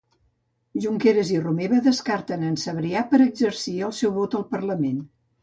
Junqueras i Romeva descarten en Sabrià per exercir el seu vot al Parlament